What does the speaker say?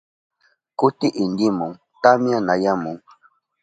Kuti intimun tamyanayamun.